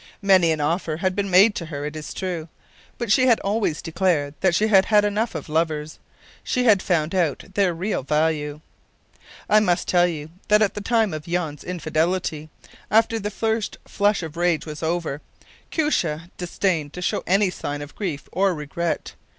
Many an offer had been made to her, it is true; but she had always declared that she had had enough of lovers she had found out their real value. I must tell you that at the time of Jan’s infidelity, after the first flush of rage was over, Koosje disdained to show any sign of grief or regret.